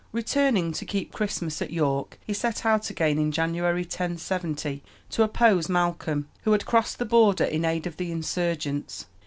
Returning to keep Christmas at York, he set out again in January, 1070, to oppose Malcolm, who had crossed the border in aid of the insurgents.